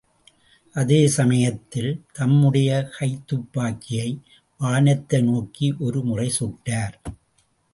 அதே சமயத்தில் தம்முடைய கைத்துப்பாக்கியை வானத்தை நோக்கி ஒரு முறை சுட்டார்.